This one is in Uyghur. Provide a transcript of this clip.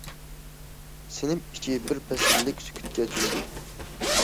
سىنىپ ئىچى بىر پەسلىك سۈكۈتكە چۆمدى.